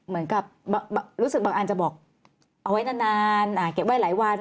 เหมือนกับรู้สึกบางอันจะบอกเอาไว้นานเก็บไว้หลายวัน